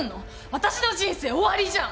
私の人生終わりじゃん！